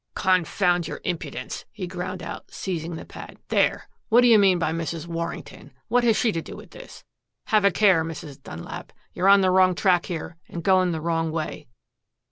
"Confound your impudence," he ground out, seizing the pad. "There! What do you mean by Mrs. Warrington? What has she to do with this? Have a care, Mrs. Dunlap you're on the wrong track here, and going the wrong way."